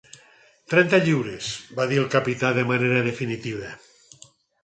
Trenta lliures, va dir el capità de manera definitiva.